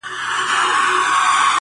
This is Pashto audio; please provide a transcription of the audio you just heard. زه اوسېږمه زما هلته آشیانې دي!!